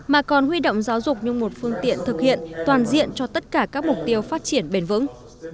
mà còn huy động giáo dục như một phương tiện thực hiện toàn diện cho tất cả các mục tiêu phát triển bền vững